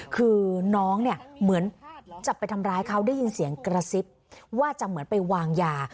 คือน้องเนี่ยเหมือนจะไปทำร้ายเขาได้ยินเสียงกระซิบว่าจะเหมือนไปวางยา